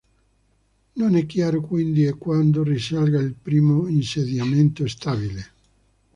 Non è chiaro, quindi, a quando risalga il primo insediamento stabile.